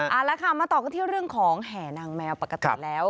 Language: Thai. เอาละค่ะมาต่อกันที่เรื่องของแห่นางแมวปกติแล้ว